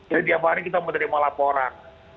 jadi tiap hari kita menerima laporan